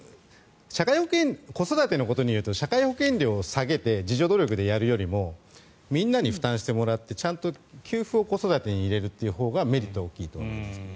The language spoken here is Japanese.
子育てのことで言うと社会保険料を下げて自助努力でやるよりもみんなに負担してもらって給付を子育てに入れるほうがメリットは大きいと思います。